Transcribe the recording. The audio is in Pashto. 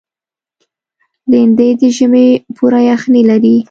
لېندۍ د ژمي پوره یخني لري.